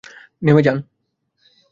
নেমে যান।